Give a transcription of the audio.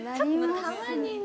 たまにね。